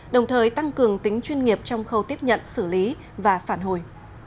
đồng thời tăng cường tính chuyên nghiệp trong khâu tiếp nhận xử lý và phản hồi